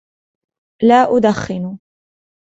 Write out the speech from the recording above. لا أدخن.